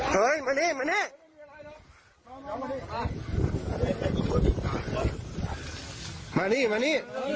เฮ้ยมานี่